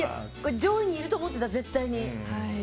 上位にいると思ってた、絶対に。